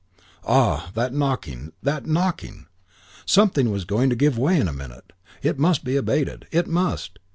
Ah, that knocking, that knocking! Something was going to give way in a minute. It must be abated. It must.